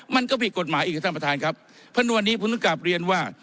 มันก็ผิดกฎหมายอีกครับท่านประธานครับเพราะในวันนี้ผมต้องกลับเรียนว่า